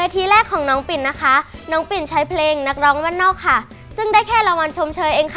โทษครับ